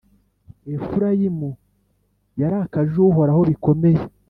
Efurayimu yarakaje Uhoraho bikomeye: